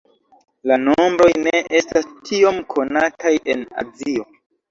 La nombroj ne estas tiom konataj en Azio.